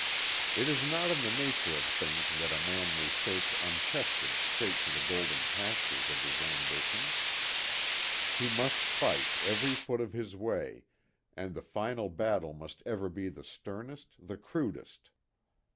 It is not in the nature of things that a man may march untested straight to the golden pastures of his ambitions. He must fight every foot of his way, and the final battle must ever be the sternest, the crudest.